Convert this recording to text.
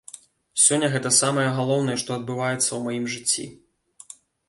Сёння гэта самае галоўнае, што адбываецца ў маім жыцці!